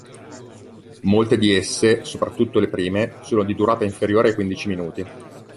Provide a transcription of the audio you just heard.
Molte di esse, soprattutto le prime, sono di durata inferiore ai quindici minuti.